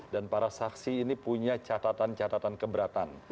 dan para saksi ini punya catatan catatan keberatan